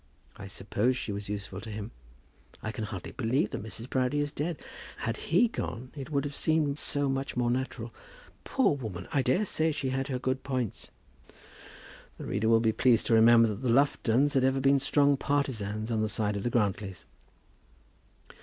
I suppose she was useful to him. I can hardly believe that Mrs. Proudie is dead. Had he gone, it would have seemed so much more natural. Poor woman. I daresay she had her good points." The reader will be pleased to remember that the Luftons had ever been strong partisans on the side of the Grantlys.